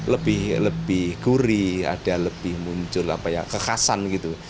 lebih lebih gurih ada lebih muncul kekasan gitu